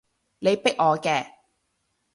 你逼我嘅